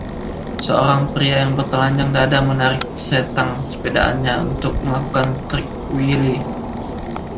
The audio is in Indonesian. Seorang pria yang bertelanjang dada menarik setang sepedanya untuk melakukan trik wheelie.